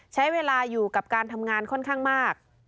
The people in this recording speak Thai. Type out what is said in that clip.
ใช้เวลาอยู่กับการทำงานค่อนข้างมาก